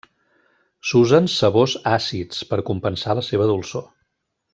S'usen sabors àcids per compensar la seva dolçor.